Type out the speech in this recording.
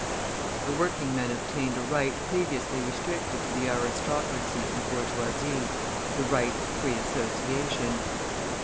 The working men obtained a right previously restricted to the aristocracy and bourgeoisie, the right of free association.